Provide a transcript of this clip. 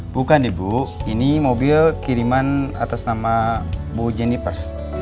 bukan ibu ini mobil kiriman atas nama bu jennifer